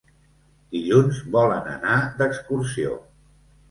Dilluns volen anar d'excursió.